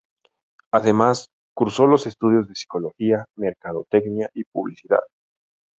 Además, cursó los estudios de Psicología, Mercadotecnia y Publicidad.